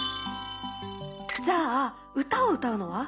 じゃあ歌を歌うのは？